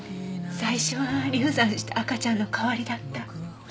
最初は流産した赤ちゃんの代わりだった。